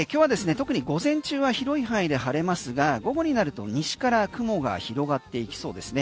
特に午前中は広い範囲で晴れますが午後になると西から雲が広がっていきそうですね。